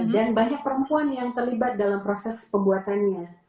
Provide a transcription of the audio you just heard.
dan banyak perempuan yang terlibat dalam proses pembuatannya